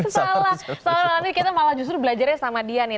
soal nanti kita malah justru belajarnya sama dia nih